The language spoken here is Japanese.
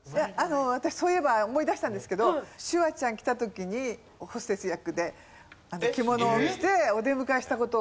私そういえば思い出したんですけどシュワちゃん来た時にホステス役で着物を着てお出迎えした事を思い出しました。